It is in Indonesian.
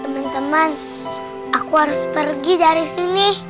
teman teman aku harus pergi dari sini